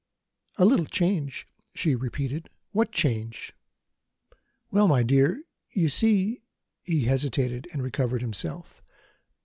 "A little change?" she repeated. "What change?" "Well, my dear, you see " He hesitated and recovered himself.